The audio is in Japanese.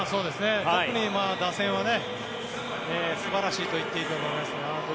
特に打線は素晴らしいと言っていいと思います。